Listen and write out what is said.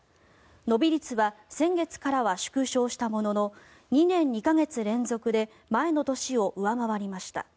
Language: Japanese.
伸び率は先月からは縮小したものの２年２か月連続で前の年を上回りました。